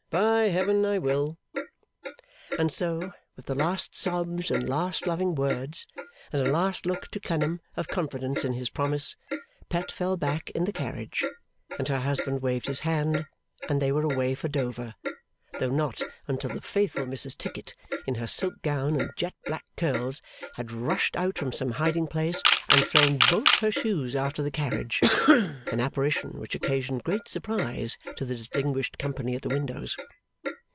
By Heaven I will!' And so, with the last sobs and last loving words, and a last look to Clennam of confidence in his promise, Pet fell back in the carriage, and her husband waved his hand, and they were away for Dover; though not until the faithful Mrs Tickit, in her silk gown and jet black curls, had rushed out from some hiding place, and thrown both her shoes after the carriage: an apparition which occasioned great surprise to the distinguished company at the windows.